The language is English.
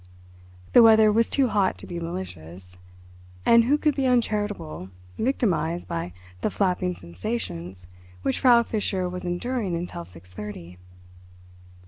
The weather was too hot to be malicious, and who could be uncharitable, victimised by the flapping sensations which Frau Fischer was enduring until six thirty?